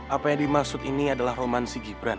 apa yang dimaksud ini adalah roman sigi brand